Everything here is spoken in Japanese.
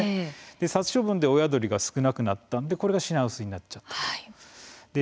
殺処分で親鳥が少なくなったのでこれが品薄になったんです。